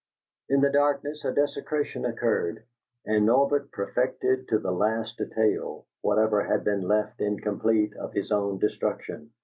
In the darkness a desecration occurred, and Norbert perfected to the last detail whatever had been left incomplete of his own destruction.